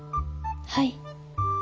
はい。